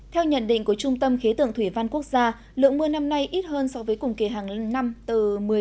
theo nhận định của trung tâm khí tượng thủy văn quốc gia lượng mưa năm nay ít hơn so với cùng kỳ hàng năm từ một mươi năm mươi